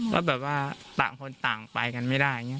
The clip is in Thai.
ก็แบบว่าต่างคนต่างไปกันไม่ได้